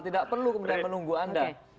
tidak perlu menunggu anda